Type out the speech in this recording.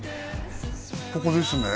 ここですね？